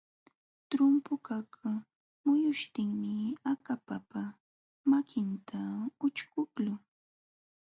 Trumpukaq muyuśhtinmi akapapa makinta ućhkuqlun.